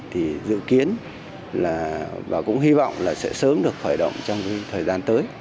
thì dự kiến và cũng hy vọng là sẽ sớm được khởi động trong thời gian tới